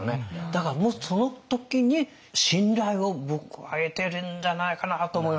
だからもうその時に信頼を僕は得てるんじゃないかなと思いますね。